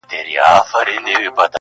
له پردي وطنه ځمه لټوم کور د خپلوانو٫